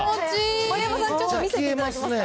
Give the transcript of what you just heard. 丸山さん、ちょっと見せていただけますか？